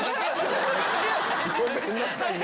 ごめんなさいね！